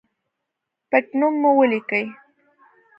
پټنوم مو ولیکئ